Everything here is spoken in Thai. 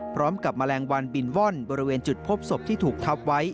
แมลงวันบินว่อนบริเวณจุดพบศพที่ถูกทับไว้